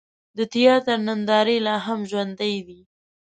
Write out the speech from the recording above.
د تیاتر نندارې لا هم ژوندۍ دي.